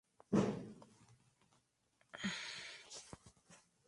Era la iglesia principal de la zona.